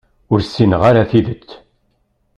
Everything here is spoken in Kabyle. Ur ssineɣ ara tidet.